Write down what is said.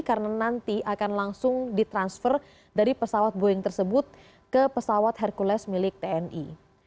karena nanti akan langsung ditransfer dari pesawat boeing tersebut ke pesawat hercules milik tni